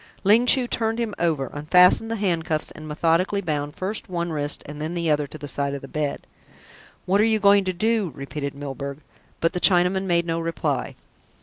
Ling Chu turned him over, unfastened the handcuffs, and methodically bound first one wrist and then the other to the side of the bed. "What are you going to do?" repeated Milburgh, but the Chinaman made no reply.